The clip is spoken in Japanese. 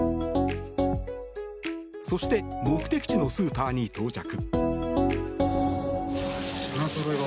そして目的地のスーパーに到着。